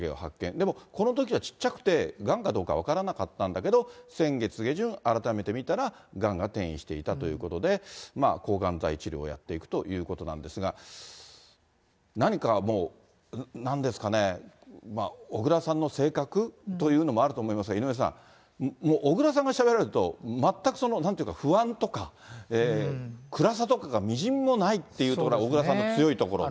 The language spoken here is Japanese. でもこのときは小っちゃくて、がんかどうか分からなかったんだけど、先月下旬、改めて診たらがんが転移していたということで、抗がん剤治療をやっていくということなんですが、何かもう、なんですかね、小倉さんの性格というのもあると思いますが、井上さん、もう小倉さんがしゃべられると、全くそのなんというか、不安とか、暗さとかがみじんもないっていうところが小倉さんの強いところで。